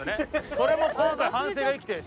それも今回反省が生きてる。